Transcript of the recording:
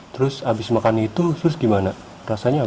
terus habis makan itu terus gimana rasanya apa